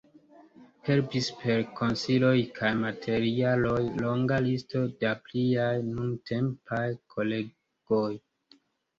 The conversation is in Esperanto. Helpis per konsiloj kaj materialoj longa listo da pliaj nuntempaj kolegoj.